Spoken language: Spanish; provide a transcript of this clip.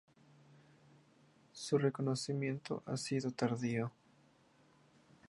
Su reconocimiento ha sido tardío.